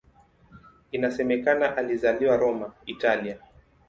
Inasemekana alizaliwa Roma, Italia.